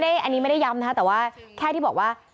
อันนี้ไม่ได้ย้ำนะคะแต่ว่าแค่ที่บอกว่า